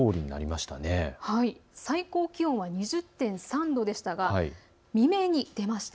最高気温は２０．３度でしたが未明に出ました。